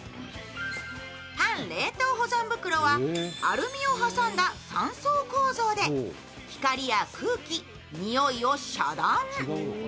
パン冷凍保存袋はアルミを挟んだ３層構造で光や空気、臭いを遮断。